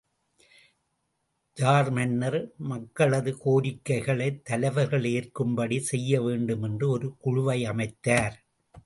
Jar மன்னர் மக்களது கோரிக்கைகளை தலைவர்கள் ஏற்கும்படி செய்யவேண்டும் என்று ஒரு குழுவை அமைத்தார்!